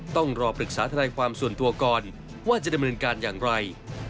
ต้องรอปรึกษาทนายความส่วนตัวก่อนว่าจะดำเนินการอย่างไร